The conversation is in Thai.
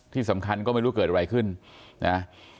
ที่สำคัญก็ไม่รู้เกิดอะไรขึ้นนะ